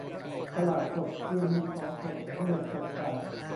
ตลาดสดคือมีของสด หมูเห็ดเป็ดไก่